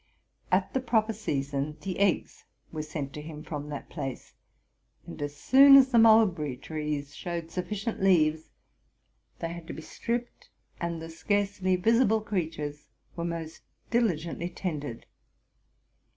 At the proper season, the eggs were sent to him from that place: and, as soon as the mulberry trees showed suflicient leaves, they had to be stripped; and the scarcely visible creatures were most diligently tended.